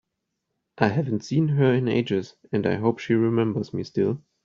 I haven’t seen her in ages, and I hope she remembers me still!